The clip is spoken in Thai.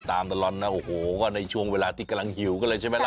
ตลอดนะโอ้โหก็ในช่วงเวลาที่กำลังหิวกันเลยใช่ไหมล่ะ